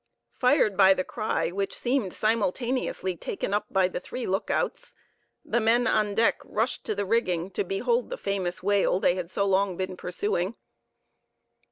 Fired by the cry which seemed simultaneously taken up by the three look outs, the men on deck rushed to the rigging to behold the famous whale they had so long been pursuing.